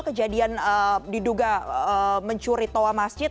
kejadian diduga mencuri toa masjid